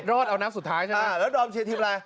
รอดเอานักสุดท้ายใช่ไหมอ่าแล้วคุณผู้ชมเชียร์ทีมอะไร